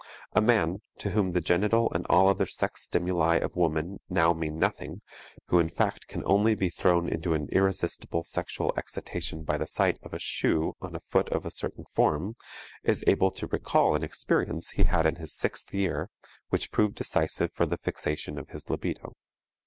A man, to whom the genital and all other sex stimuli of woman now mean nothing, who in fact can only be thrown into an irresistible sexual excitation by the sight of a shoe on a foot of a certain form, is able to recall an experience he had in his sixth year, which proved decisive for the fixation of his libido.